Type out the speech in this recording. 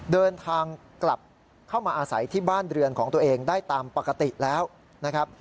เดินทางกลับเข้ามาอาศัยที่บ้านเรือนของตัวเองได้ตามปกติแล้วนะครับ